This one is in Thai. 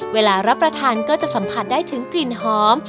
เวลารับประทานก็จะสัมผัสได้ถึงกลิ่นหอม